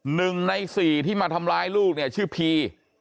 หนึ่งในสี่ที่มาทำร้ายลูกเนี่ยชื่อพี